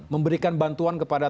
memberikan bantuan kepada